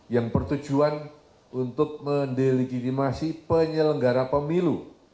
yang bertujuan untuk mendelegitimasi penyelenggara pemilu